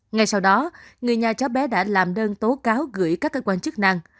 ngay sau đó người nhà cháu bé đã làm đơn tố cáo gửi các cơ quan chức năng